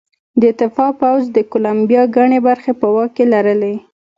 د دفاع پوځ د کولمبیا ګڼې برخې په واک کې لرلې.